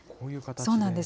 そうなんです。